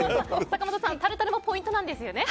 坂本さん、タルタルもポイントなんですよね？